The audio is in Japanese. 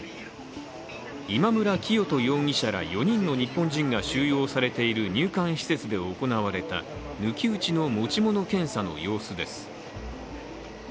今村磨人容疑者ら４人の日本人が収容されている入管施設で行われた抜き打ちの持ち物検査の様子です。